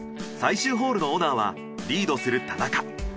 最終ホールのオナーはリードする田中。